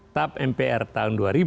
tap mpr tahun dua ribu